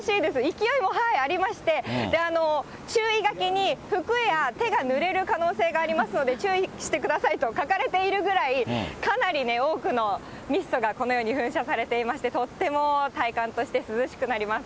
勢いもありまして、注意書きに服や手がぬれる可能性がありますので、注意してくださいと書かれているぐらい、かなりね、多くのミストがこのように噴射されていまして、とっても体感として涼しくなります。